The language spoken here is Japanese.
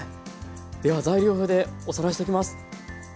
では材料表でおさらいしていきます。